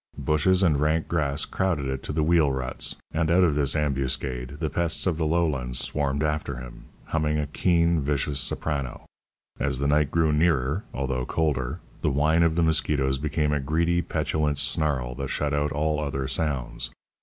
Bushes and rank grass crowded it to the wheel ruts, and out of this ambuscade the pests of the lowlands swarmed after him, humming a keen, vicious soprano. And as the night grew nearer, although colder, the whine of the mosquitoes became a greedy, petulant snarl that shut out all other sounds.